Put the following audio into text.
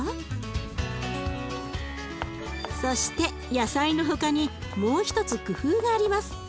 そして野菜の他にもう一つ工夫があります。